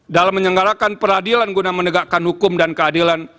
dalam menyelenggarakan peradilan guna menegakkan hukum dan keadilan